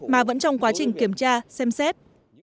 mà vẫn trong quá trình kiểm tra xem xét